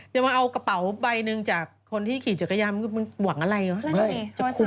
อย่างนั้นเอากระเป๋าใบนึงจากคนที่ขี่จักรยามันก็หวังอะไรเหรอ